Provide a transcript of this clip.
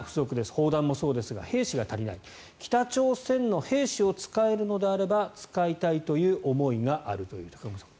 砲弾もそうですが兵士が足りない北朝鮮の兵士を使えるのであれば使いたいという思いがあるということですが武隈さん